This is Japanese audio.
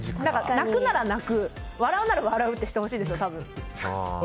泣くなら泣く、笑うなら笑うってしてほしいんですよ。